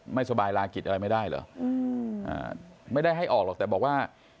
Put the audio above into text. คำพูดนี้ของฮอล์นะคะ